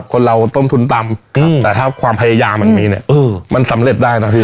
คนเราต้นทุนต่ำแต่ถ้าความพยายามมันมีเนี่ยมันสำเร็จได้นะพี่